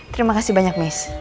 terima kasih banyak miss